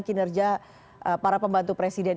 kinerja para pembantu presiden